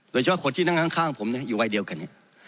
โดยเฉพาะคนที่นั่งข้างผมอยู่วัยเดียวกัน